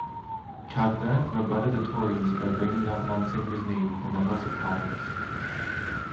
Cardin rebutted the Tories by bringing up Munsinger's name in the House of Commons.